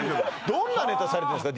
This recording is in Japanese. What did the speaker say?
どんなネタされてんですか？